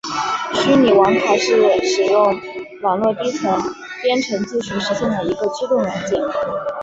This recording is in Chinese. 虚拟网卡是使用网络底层编程技术实现的一个驱动软件。